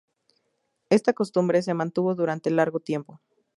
Esta costumbre se mantuvo durante largo tiempo.